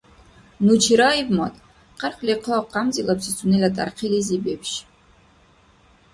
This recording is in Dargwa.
Ну чераибмад, хъярхъли хъа гӀямзилабси сунела тӀярхъилизи бебшиб.